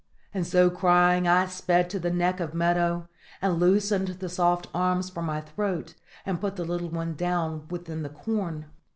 And so crying I sped to the neck of meadow, and loosened the soft arms from my throat, and put the little one down within the corn.